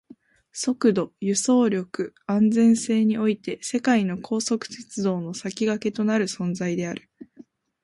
速度、輸送力、安全性において世界の高速鉄道の先駆けとなる存在である